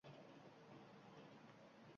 Endi nimayam boʻlardik